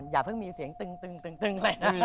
อย่าเพิ่งมีเสียงตึงเลยนะ